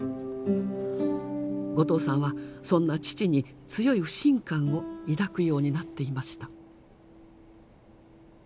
後藤さんはそんな父に強い不信感を抱くようになっていました。